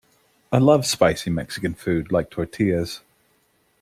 I love spicy Mexican food like tortillas.